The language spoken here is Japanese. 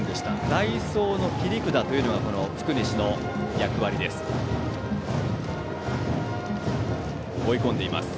代走の切り札というのが福西の役割です。